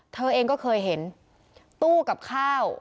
เธอเองก็เคยเห็นตู้กับข้าว